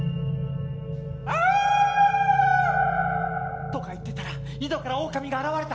アオン！とか言ってたら井戸からオオカミが現れた。